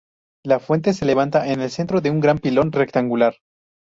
La fuente se levanta en el centro de un gran pilón rectangular.